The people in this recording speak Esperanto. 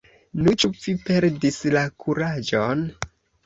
Nu, ĉu vi perdis la kuraĝon?